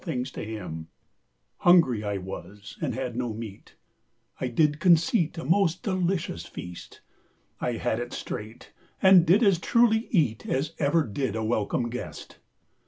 15 „ 50 THE CHURCH Hungrie I was, and had no meat : 5 I did conceit a most delicious feast; I had it straight, and did as truly eat, As ever did a welcome guest.